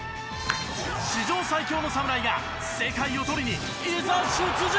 史上最強の侍が世界をとりにいざ出陣！